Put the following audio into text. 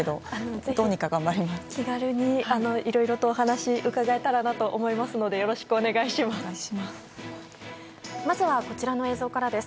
ぜひ気軽にいろいろお話を伺えたらなと思いますのでよろしくお願いします。